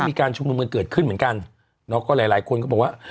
มีการชุมนุมกันเกิดขึ้นเหมือนกันเนาะก็หลายหลายคนก็บอกว่า